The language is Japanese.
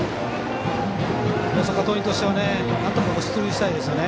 大阪桐蔭としてはなんとか出塁したいですよね。